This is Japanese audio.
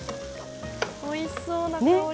おいしそうな香りが！